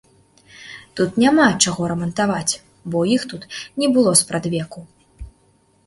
Тут няма чаго рамантаваць, бо іх тут не было спрадвеку.